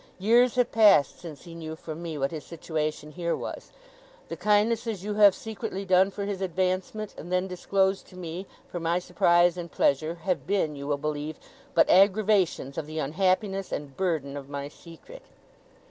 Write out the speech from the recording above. Years have passed since he knew, from me, what his situation here was. The kindnesses you have secretly done for his advancement, and then disclosed to me, for my surprise and pleasure, have been, you will believe, but aggravations of the unhappiness and burden of my secret.